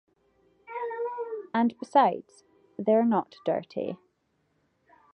And besides, they’re not dirty.